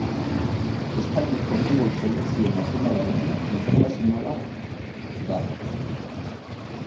Espainiako futbol selekzio nazionalarekin internazionala da.